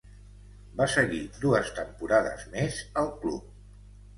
Va seguir dues temporades més al club.